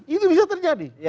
itu bisa terjadi